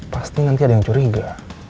pasti nanti ada yang curiga